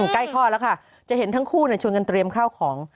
ใกล้ข้อแล้วค่ะจะเห็นทั้งคู่ชวนกันเตรียมข้าวของ